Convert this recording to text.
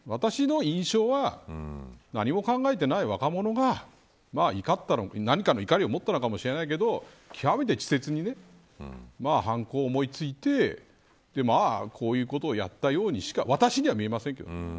私の印象は何も考えてない若者が何かの怒りを持ったのかもしれないけど極めて稚拙に犯行を思いついてこういうことをやったようにしか私には見えませんけど。